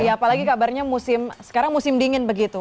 apalagi kabarnya sekarang musim dingin begitu